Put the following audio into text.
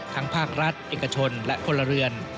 ทั้งภาครัฐเอกชนและคนละเรือน